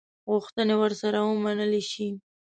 غوښتني ورسره ومنلي شي.